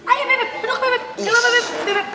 ayo beb duduk beb